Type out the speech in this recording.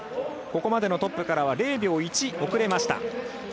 ここまでのトップからは０秒１遅れました。